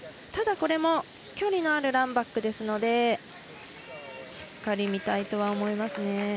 ただ、これも距離のあるランバックですのでしっかり見たいとは思いますね。